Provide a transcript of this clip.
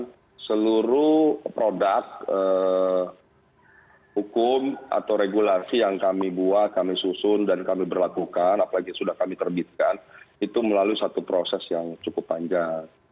karena seluruh produk hukum atau regulasi yang kami buat kami susun dan kami berlakukan apalagi sudah kami terbitkan itu melalui satu proses yang cukup panjang